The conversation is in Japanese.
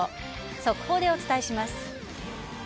速報でお伝えします。